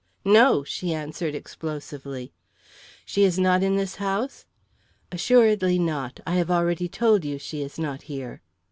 "No!" she answered explosively. "She is not in this house?" "Assuredly not; I have already told you she is not here."